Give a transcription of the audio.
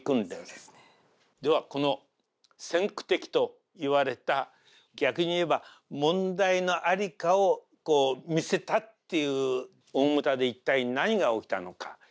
この先駆的といわれた逆に言えば問題の在りかを見せたっていう大牟田で一体何が起きたのか。